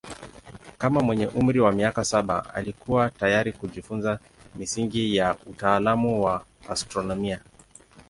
Kama mwenye umri wa miaka saba alikuwa tayari kujifunza misingi ya utaalamu wa astronomia.